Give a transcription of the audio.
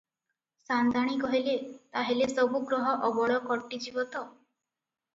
ସା’ନ୍ତାଣୀ କହିଲେ – ତାହା ହେଲେ ସବୁ ଗ୍ରହ ଅବଳ କଟି ଯିବ ତ?